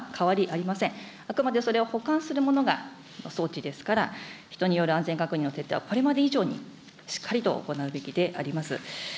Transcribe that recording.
あくまでそれを補完するものが、装置ですから、人による安全確認の徹底はこれまで以上にしっかりと行うべきであります。